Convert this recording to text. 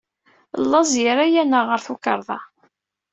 Llaẓ yerra-yaneɣ ɣer tukerḍa.